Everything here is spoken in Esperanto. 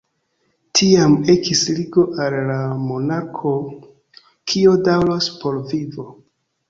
Tiam ekis ligo al la monarko, kio daŭros por vivo.